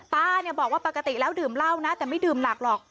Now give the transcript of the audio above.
ตาเนี่ยบอกว่าปกติแล้วดื่มเหล้านะแต่ไม่ดื่มหนักหรอก